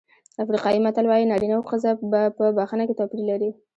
افریقایي متل وایي نارینه او ښځه په بښنه کې توپیر لري.